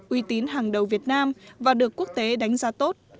uy tín hàng đầu việt nam và được quốc tế đánh giá tốt